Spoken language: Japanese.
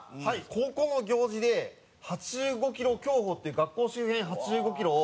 高校の行事で８５キロ強歩っていう学校周辺８５キロを。